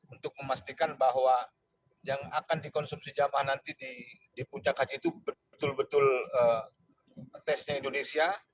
untuk memastikan bahwa yang akan dikonsumsi jamaah nanti di puncak haji itu betul betul tesnya indonesia